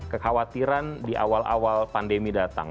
kekhawatiran di awal awal pandemi datang